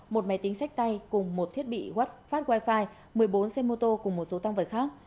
một máy tính sách tay cùng một thiết bị w phát wifi một mươi bốn xe mô tô cùng một số tăng vật khác